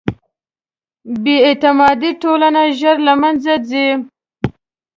بېاعتماده ټولنه ژر له منځه ځي.